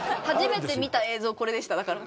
初めて見た映像これでした。